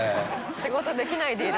仕事できないでいる。